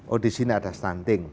oh di sini ada stunting